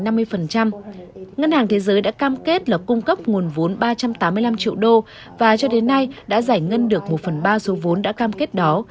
ngân hàng thế giới đã cam kết là cung cấp nguồn vốn ba trăm tám mươi năm triệu đô và cho đến nay đã giải ngân được một phần ba số vốn đã cam kết đó